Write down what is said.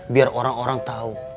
biar orang orang tahu